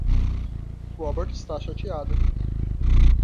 Robert está chateado.